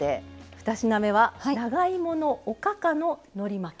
２品目は長芋のおかかののり巻きですね。